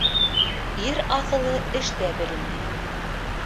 Ир аҫылы эштә беленә.